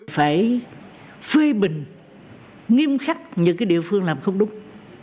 phải phê bình nghiêm khắc những địa phương làm không đúng